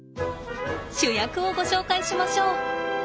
主役をご紹介しましょう。